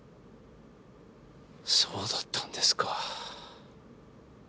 そうだったんですか。